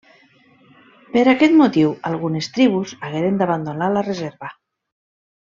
Per aquest motiu, algunes tribus hagueren d'abandonar la reserva.